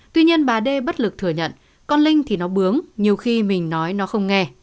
tuy nhiên bà đê bất lực thừa nhận con linh thì nó bướng nhiều khi mình nói nó không nghe